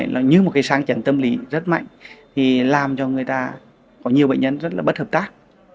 nó như một cái sáng chấn tâm lý rất mạnh thì làm cho người ta có nhiều bệnh nhân rất là bất hợp tác